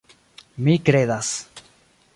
Mi kredas.